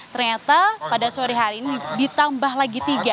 ternyata pada sore hari ini ditambah lagi tiga